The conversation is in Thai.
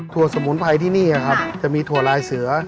สมุนไพรที่นี่ครับจะมีถั่วลายเสือ